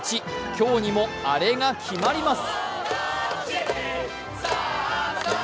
今日にもアレが決まります。